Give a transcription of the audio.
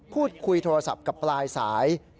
พูดคุยโทรศัพท์กับปลายสาย